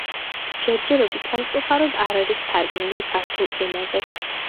ჯერჯერობით სამწუხაროდ არ არის თარგმნილი ქართულ ენაზე.